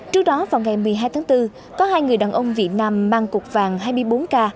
trước đó vào ngày một mươi hai tháng bốn có hai người đàn ông việt nam mang cục vàng hai mươi bốn k